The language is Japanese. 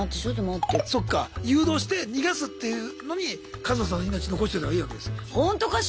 そっか誘導して逃がすっていうのにカズマさんの命残しといたほうがいいわけですよ。